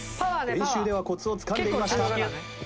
練習ではコツをつかんでいました。